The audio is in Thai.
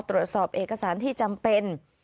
ตรวจสอบเอกสารที่จำเป็น